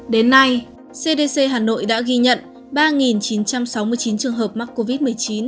đến nay cdc hà nội đã ghi nhận ba chín trăm sáu mươi chín trường hợp mắc covid một mươi chín